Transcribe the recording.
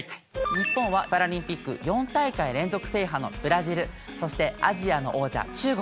日本はパラリンピック４大会連続制覇のブラジルそしてアジアの王者中国